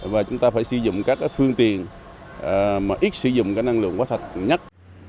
và chúng ta phải sử dụng các phương tiện mà ít sử dụng cái năng lượng quá thật nhất